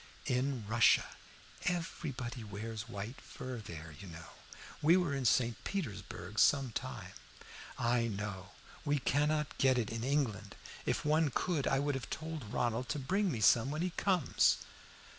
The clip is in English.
"In Russia. Everybody wears white fur there, you know. We were in St. Petersburg some time." "I know. We cannot get it in England. If one could I would have told Ronald to bring me some when he comes."